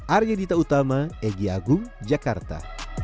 arya dita utama egy agung jakarta